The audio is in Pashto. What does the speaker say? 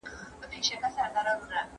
موږ به ژر عدالت راوړو.